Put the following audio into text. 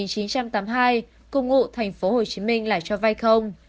cùng ngụ tp hcm lại cho vai không